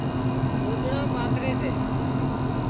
ڳوۮڙان پاٿري سي